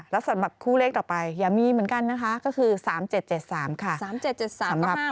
แล้วสำหรับคู่เลขต่อไปอย่ามีเหมือนกันนะคะก็คือ๓๗๗๓ค่ะ